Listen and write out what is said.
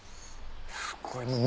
すごい。